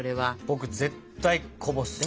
僕絶対こぼす。